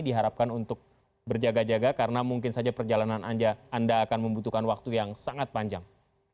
diharapkan untuk berjaga jaga karena mungkin saja perjalanan anda akan membutuhkan waktu yang sangat panjang